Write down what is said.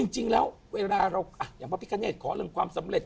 จริงแล้วเวลาเราอย่างพระพิกาเนตขอเรื่องความสำเร็จ